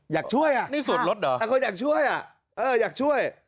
อยากช่วยอ่ะนี่สวดรถเหรอคนอยากช่วยอ่ะเอออยากช่วย